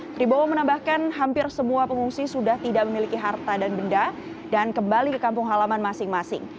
tribowo menambahkan hampir semua pengungsi sudah tidak memiliki harta dan benda dan kembali ke kampung halaman masing masing